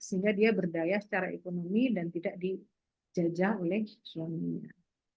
sehingga dia berdaya secara ekonomi dan tidak dijajah oleh suaminya